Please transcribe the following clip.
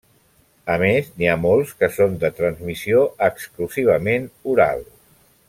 A més n'hi ha molts que són de transmissió exclusivament oral.